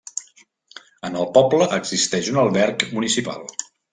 En el poble existeix un alberg municipal.